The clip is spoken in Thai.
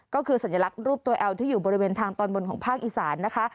ก็คือสัญลักษณ์รูปตัวแอลที่อยู่บริเวณทางตอนบนของภาคอีสานนะคะ